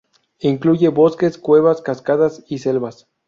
Incluye bosques, cuevas, cascadas, y selvas.